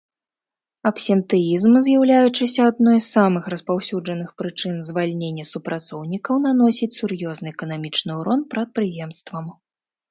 Абсентэізм, з'яўляючыся адной з самых распаўсюджаных прычын звальнення супрацоўнікаў, наносіць сур'ёзны эканамічны ўрон прадпрыемствам.